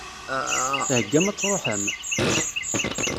Theggam ad tṛuḥem?